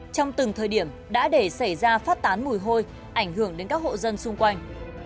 trong từng thời điểm đã để xảy ra phát tán mùi hôi ảnh hưởng đến các hộ dân xung quanh